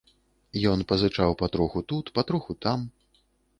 Ён пазычаў патроху тут, патроху там.